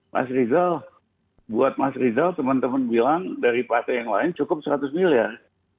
mas rizal buat mas rizal teman teman bilang dari partai yang lain cukup seratus miliar